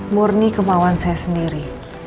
murni kemauan saya sendiri